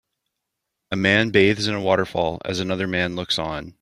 A man bathes in a waterfall as another man looks on.